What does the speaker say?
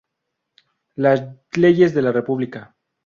Las leyes de la República.